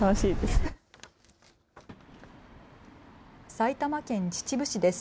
埼玉県秩父市です。